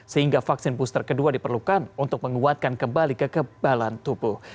sehingga vaksin booster kedua diperlukan untuk menguatkan kembali kekebalan tubuh